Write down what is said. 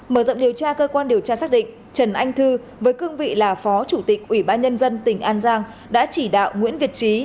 mở rộng điều tra cơ quan điều tra xác định trần anh thư với cương vị là phó chủ tịch ubnd tỉnh an giang đã chỉ đạo nguyễn việt trí